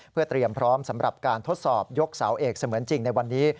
เพื่อเตรียมพร้อมสำหรับการทดสอบยกเสาเอกเสมือนจริงในวันนี้